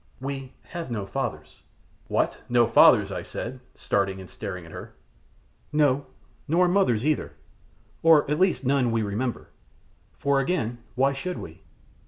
"We have no fathers." "What! no fathers?" I said, starting and staring at her. "No, nor mothers either, or at least none that we remember, for again, why should we?